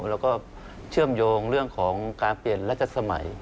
แล้วก็เชื่อมโยงเรื่องของการเปลี่ยนรัชสมัย